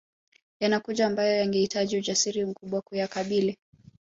Yanakuja ambayo yangehitaji ujasiri mkubwa kuyakabili